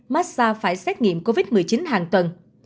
massag phải xét nghiệm covid một mươi chín hàng tuần